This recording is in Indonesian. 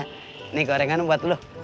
ini gorengannya buat lu